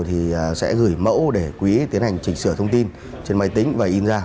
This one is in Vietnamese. thì sẽ gửi mẫu để quý tiến hành chỉnh sửa thông tin trên máy tính và in ra